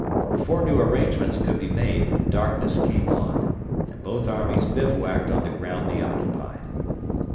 Before new arrangements could be made darkness came on, and both armies bivouacked on the ground they occupied.